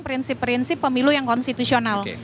prinsip prinsip pemilu yang konstitusional